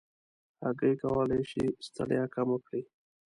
هګۍ کولی شي ستړیا کمه کړي.